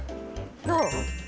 どう？